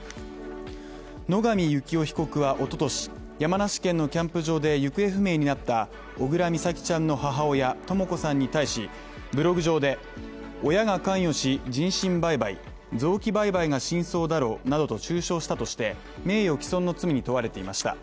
野上幸雄被告は一昨年、山梨県のキャンプ場で行方不明になった小倉美咲ちゃんの母親・とも子さんさんに対し、ブログ上で、親が関与し人身売買、臓器売買が真相だろう、などと中傷したとして、名誉毀損の罪に問われていました。